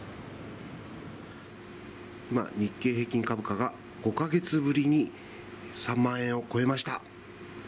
今、日経平均株価が５か月ぶりに３万円を超えました。